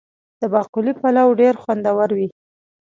د باقلي پلو ډیر خوندور وي.